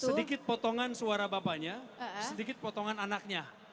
sedikit potongan suara bapaknya sedikit potongan anaknya